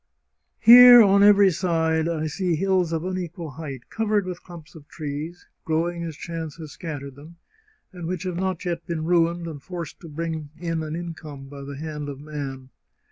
Here, on every side, I see hills of unequal height, covered with clumps of trees, grow ing as chance has scattered them, and which have not yet been ruined, and forced to bring in an income, by the hand of man.